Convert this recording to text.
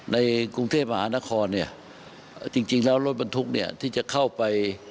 ในกรุงเทพมหานครเนี่ยจริงแล้วรถบรรทุกเนี่ยที่จะเข้าไป